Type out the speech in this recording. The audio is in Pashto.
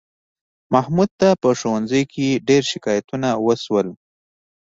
محمود ته په ښوونځي کې ډېر شکایتونه وشول